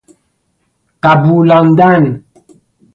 قبولاندن